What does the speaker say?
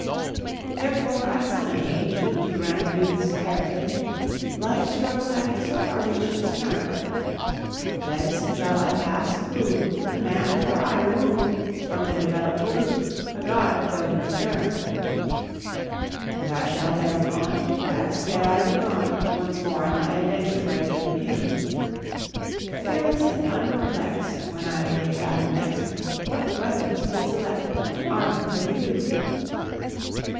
Therefore I summon age To grant youth's heritage, Life's struggle having so far reached its term: Thence shall I pass, approved A man, for aye removed From the developed brute; a god though in the germ. And I shall thereupon Take rest, ere I be gone Once more on my adventure brave and new: Fearless and unperplex'd, When I wage battle next, What weapons to select, what armour to indue.